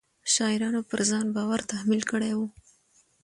شاعرانو پر ځان بار تحمیل کړی وي.